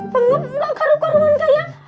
pengen berkarung karungan kayak